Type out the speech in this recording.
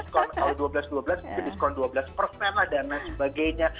kalau dua belas dua belas itu diskon dua belas persen lah dana dan sebagainya